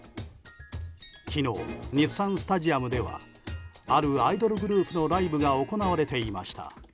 昨日、日産スタジアムではあるアイドルグループのライブが行われていました。